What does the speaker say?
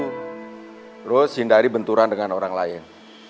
terus hindari benturan dengan orang lain